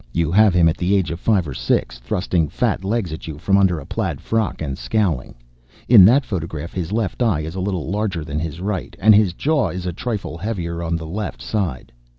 You have him at the age of five or six, thrusting fat legs at you from under a plaid frock, and scowling. In that photograph his left eye is a little larger than his right, and his jaw is a trifle heavier on the left side.